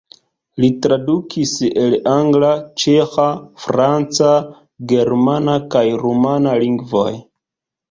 Li tradukis el angla, ĉeĥa, franca, germana kaj rumana lingvoj.